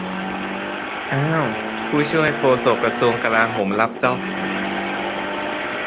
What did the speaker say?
อ้าว ผู้ช่วยโฆษกกระทรวงกลาโหม รับจ๊อบ